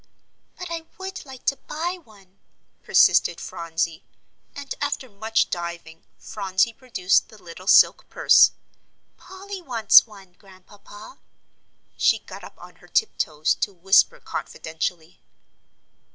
"But I would like to buy one," persisted Phronsie. And after much diving Phronsie produced the little silk purse "Polly wants one, Grandpapa," she got up on her tiptoes to whisper confidentially.